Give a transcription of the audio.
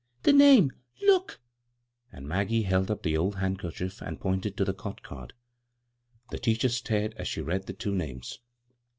" The name — look !" And Maggie held up the old handkerchief and pointed to the cot card. The teacher started as she read the two names.